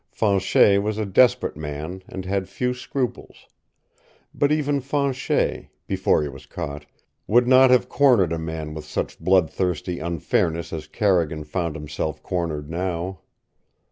Fanchet was a desperate man and had few scruples. But even Fanchet before he was caught would not have cornered a man with such bloodthirsty unfairness as Carrigan found himself cornered now.